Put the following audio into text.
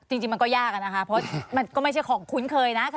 จริงมันก็ยากอะนะคะเพราะมันก็ไม่ใช่ของคุ้นเคยนะ